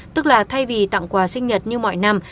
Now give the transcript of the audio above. tức là thay vì tặng quà sinh nhật như mọi năm